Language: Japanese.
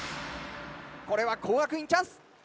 これは工学院チャンス。